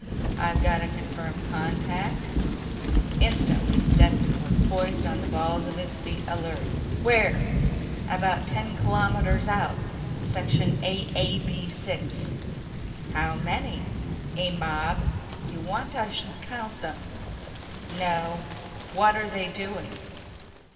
"I've got a confirmed contact." Instantly, Stetson was poised on the balls of his feet, alert. "Where?" "About ten kilometers out. Section AAB 6." "How many?" "A mob. You want I should count them?" "No. What're they doing?"